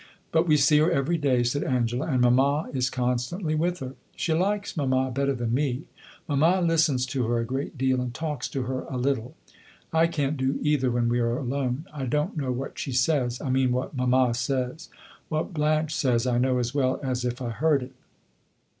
"But we see her every day," said Angela, "and mamma is constantly with her. She likes mamma better than me. Mamma listens to her a great deal and talks to her a little I can't do either when we are alone. I don't know what she says I mean what mamma says; what Blanche says I know as well as if I heard it.